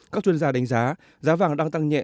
các chuyên gia đánh giá giá vàng đang tăng nhẹ